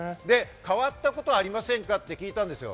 変わったことありませんか？と聞いたんですよ。